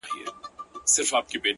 د سترګو کي ستا د مخ سُرخي ده؛